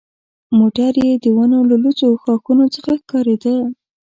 موټر یې د ونو له لوڅو ښاخونو څخه ښکارېده.